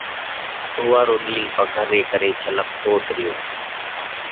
اُوئا رو ڏِيل پگھر ري ڪري چِلڪتوت ريو۔